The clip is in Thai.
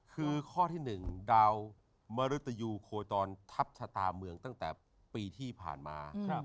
คือข้อที่๑ดาวมริตยูโคจรทัพชะตาเมืองตั้งแต่ปีที่ผ่านมา